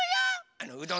あのうどん。